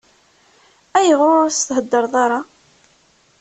Ayɣer ur s-thedreḍ ara?